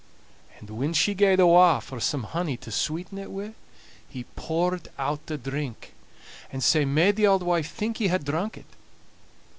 And when she gaed awa' for some honey to sweeten it wi', he poured out the drink, and sae made the auld wife think he had drunk it.